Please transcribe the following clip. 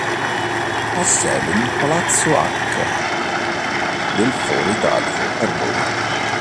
Ha sede nel palazzo H del Foro italico a Roma.